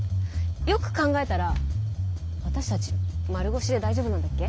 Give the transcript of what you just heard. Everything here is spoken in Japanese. よく考えたら私たち丸腰で大丈夫なんだっけ？